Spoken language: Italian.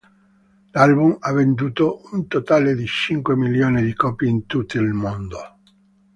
L'album ha venduto un totale di cinque milioni di copie in tutto il mondo.